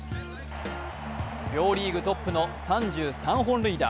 両リーグトップの３３本塁打。